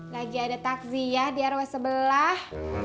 lagi ada takzi ya di arwah sebelah